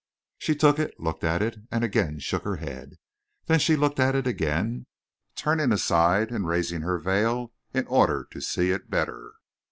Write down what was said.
She took it, looked at it, and again shook her head. Then she looked at it again, turning aside and raising her veil in order to see it better.